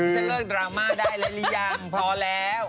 เลิกดราม่าได้แล้วหรือยังพอแล้ว